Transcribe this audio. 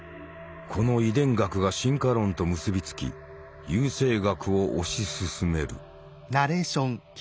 この遺伝学が進化論と結び付き優生学を推し進める。